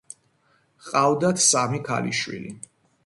ჰყავთ სამი ქალიშვილი.